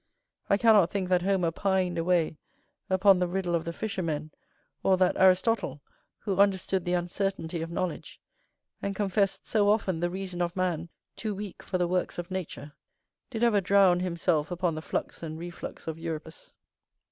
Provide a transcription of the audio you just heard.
I cannot think that Homer pined away upon the riddle of the fishermen, or that Aristotle, who understood the uncertainty of knowledge, and confessed so often the reason of man too weak for the works of nature, did ever drown himself upon the flux and reflux of Euripus.